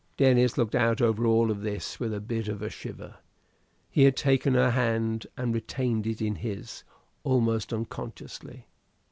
Denis looked out over all this with a bit of a shiver. He had taken her hand, and retained it in his almost unconsciously.